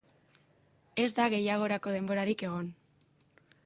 Ez da gehiagorako denborarik egon.